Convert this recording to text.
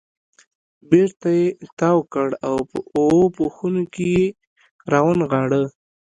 بېرته یې تاو کړ او په اوو پوښونو کې یې را ونغاړه.